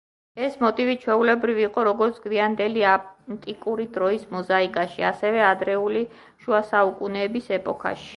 ეს მოტივი ჩვეულებრივი იყო როგორც გვიანდელი ანტიკური დროის მოზაიკაში, ასევე ადრეული შუასაუკუნეების ეპოქაში.